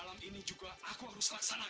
lalu aku berterus keras